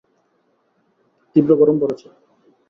তীব্র গরম পড়ছে।